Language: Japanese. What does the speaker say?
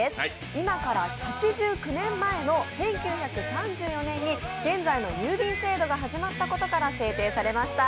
今から８９年前の１９３４年に現在の郵便制度が始まったことから制定されました。